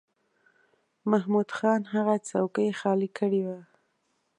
محمود خان هغه څوکۍ خالی کړې وه.